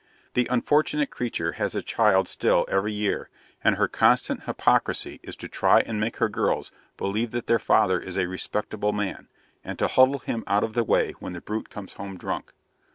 The unfortunate creature has a child still every year, and her constant hypocrisy is to try and make her girls believe that their father is a respectable man, and to huddle him out of the way when the brute comes home drunk.